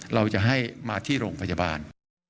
เราจะให้มาที่โรงพยาบาล